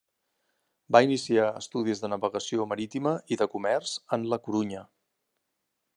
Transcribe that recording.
Va iniciar estudis de navegació marítima i de comerç en La Corunya.